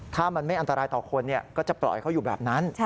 ถ้ามันไม่อันตรายต่อคนก็จะปล่อยเขาอยู่แบบนั้น